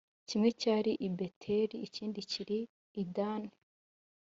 kimwe cyari i beteli ikindi kiri i dani